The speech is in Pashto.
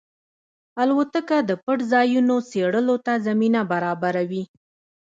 الوتکه د پټ ځایونو څېړلو ته زمینه برابروي.